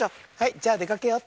じゃあでかけよう。